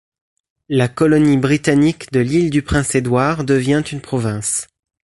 La colonie britannique de l'Île-du-Prince-Édouard devient une province.